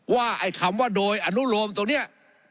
ว่าไอ้คำว่าโดยอนุโลมตรงเนี่ย